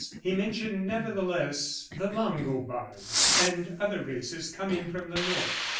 He mentioned, nevertheless, the Longobards and other races coming from the North.